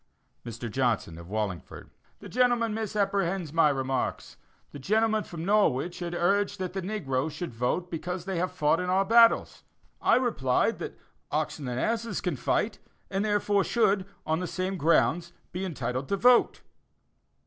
Mr. Johnson, of Wallingford: The gentleman misapprehends my remarks. The gentleman from Norwich had urged that the negro should vote because they have fought in our battles. I replied that oxen and asses can fight, and therefore should, on the same grounds, be entitled to vote.